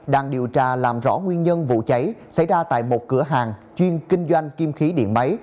đang điều tra làm rõ nguyên nhân vụ cháy xảy ra tại một cửa hàng chuyên kinh doanh kim khí điện máy